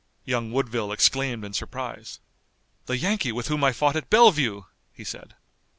Young Woodville exclaimed in surprise. "The Yankee with whom I fought at Bellevue!" he said.